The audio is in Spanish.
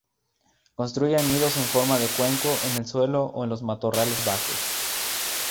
Construyen nidos en forma de cuenco en el suelo o en los matorrales bajos.